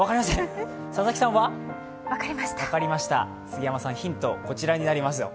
杉山さん、ヒント、こちらになりますよ。